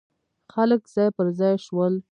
خلک ځای پر ځای شول.